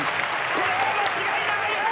これは間違いない！